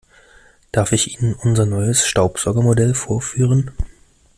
Darf ich Ihnen unser neues Staubsaugermodell vorführen?